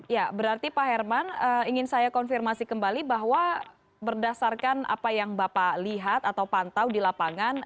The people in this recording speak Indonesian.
ya berarti pak herman ingin saya konfirmasi kembali bahwa berdasarkan apa yang bapak lihat atau pantau di lapangan